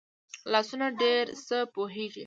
لاسونه ډېر څه پوهېږي